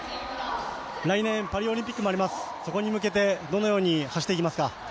来年、パリオリンピックもあります、そこに向けて、どのように走っていきますか？